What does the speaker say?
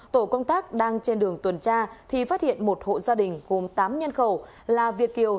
tổ công tác đang trên đường tuần tra thì phát hiện một hộ gia đình gồm tám nhân khẩu là việt kiều